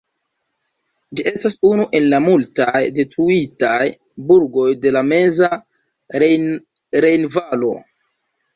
Ĝi estas unu el la malmultaj detruitaj burgoj de la meza rejnvalo.